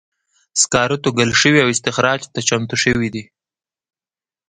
سکاره توږل شوي او استخراج ته چمتو شوي دي.